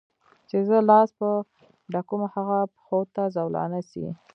چي زه لاس په ډکومه هغه پښو ته زولانه سي